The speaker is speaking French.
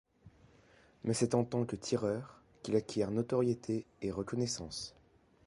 Mais c'est en tant que tireur qu'il acquiert notoriété et reconnaissance.